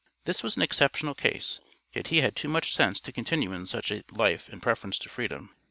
This was an exceptional case, yet he had too much sense to continue in such a life in preference to freedom.